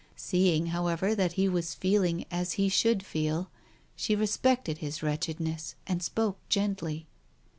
... Seeing, however, that he was feeling as he should feel, she respected his wretchedness and spoke gently.